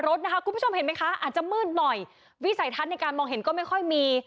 รถนะคะคุณผู้ชมเห็นไหมคะอาจจะมืดหน่อยวิสัยทัศน์ในการมองเห็นก็ไม่ค่อยมี